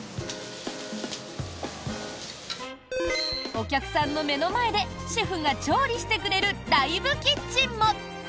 お客さんの目の前でシェフが調理してくれるライブキッチンも！